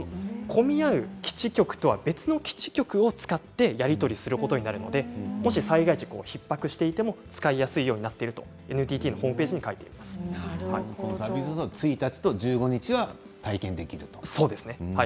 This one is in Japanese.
混み合う基地局とは別の基地局を使ってやり取りしますので災害時ひっ迫していても使いやすいようになっているとＮＴＴのホームページに１日と１５日はサービスを体験できるんですね。